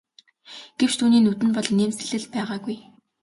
Гэвч түүний нүдэнд бол инээмсэглэл байгаагүй.